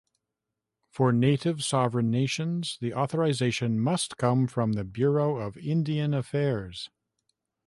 For Native Sovereign Nations, the authorization must come from the Bureau of Indian Affairs.